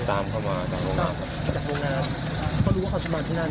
ตามเข้ามาจากโรงงานก็รู้ว่าเขาจะมาที่นั่น